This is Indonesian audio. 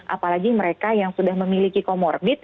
apalagi mereka yang sudah memiliki comorbid